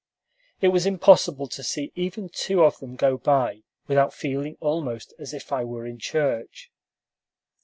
It was impossible to see even two of them go by without feeling almost as if I were in church.